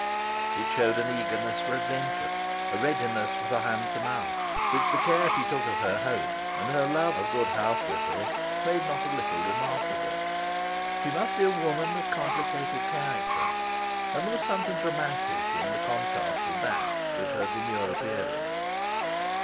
It showed an eagerness for adventure, a readiness for the hand to mouth, which the care she took of her home and her love of good housewifery made not a little remarkable. She must be a woman of complicated character, and there was something dramatic in the contrast of that with her demure appearance.